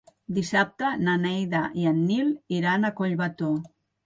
Dissabte na Neida i en Nil iran a Collbató.